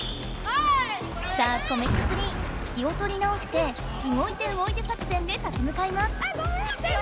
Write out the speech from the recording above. さあ米っ子３気をとり直して動いて動いて作戦で立ちむかいます。